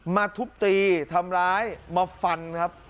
ทุบตีทำร้ายมาฟันครับ